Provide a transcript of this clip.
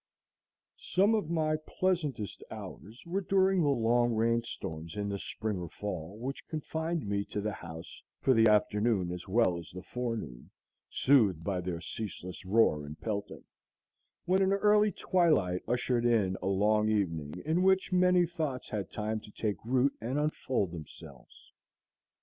Some of my pleasantest hours were during the long rain storms in the spring or fall, which confined me to the house for the afternoon as well as the forenoon, soothed by their ceaseless roar and pelting; when an early twilight ushered in a long evening in which many thoughts had time to take root and unfold themselves.